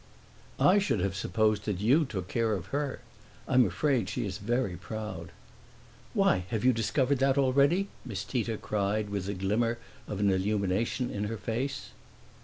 "I should have supposed that you took care of her. I'm afraid she is very proud." "Why, have you discovered that already?" Miss Tita cried with the glimmer of an illumination in her face.